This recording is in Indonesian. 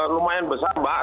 lumayan besar mbak